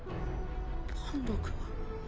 パンダ君。